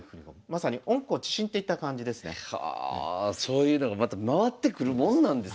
まさにそういうのがまた回ってくるもんなんですね。